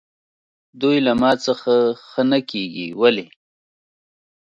دوی له ما څخه ښه نه کېږي، ولې؟